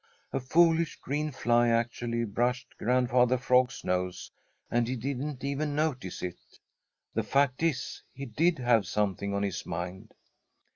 A foolish green fly actually brushed Grandfather Frog's nose and he didn't even notice it. The fact is he did have something on his mind.